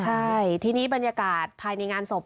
ใช่ทีนี้บรรยากาศภายในงานศพ